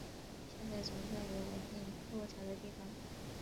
现在总算有稳定落脚的地方